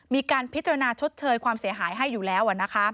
มีการพิจารณาชดเชยความเสียหายให้อยู่แล้ว